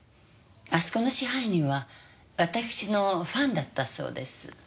あそこの支配人は私のファンだったそうです。